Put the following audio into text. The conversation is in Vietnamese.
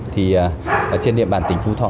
thì trên địa bàn tỉnh phú thọ